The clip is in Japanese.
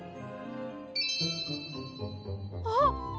あっ！